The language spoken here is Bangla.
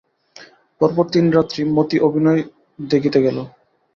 পর পর তিন রাত্রি মতি অভিনয় দেখিতে গেল।